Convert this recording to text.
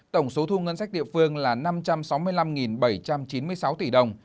tổng số thu ngân sách địa phương là năm trăm sáu mươi năm bảy trăm chín mươi sáu tỷ đồng